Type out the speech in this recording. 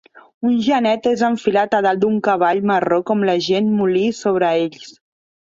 Un genet és enfilat a dalt d'un cavall marró com la gent molí sobre ells